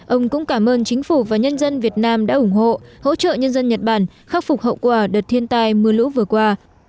ông cũng cảm ơn chính phủ và nhân dân việt nam đã ủng hộ hỗ trợ nhân dân nhật bản khắc phục hậu quả đợt thiên tai mưa lũ vừa qua